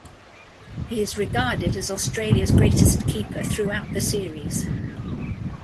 He is regarded as Australia's greatest keeper throughout the series.